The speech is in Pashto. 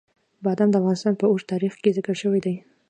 بادام د افغانستان په اوږده تاریخ کې ذکر شوی دی.